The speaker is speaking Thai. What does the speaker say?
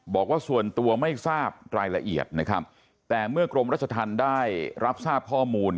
บอกว่าส่วนตัวไม่ทราบรายละเอียดนะครับแต่เมื่อกรมรัชธรรมได้รับทราบข้อมูล